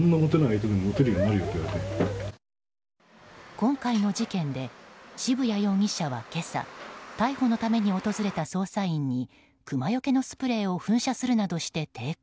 今回の事件で渋谷容疑者は今朝逮捕のために訪れた捜査員にクマよけのスプレーを噴射するなどして抵抗。